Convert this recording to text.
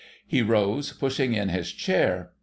He rose, pushing in his chair.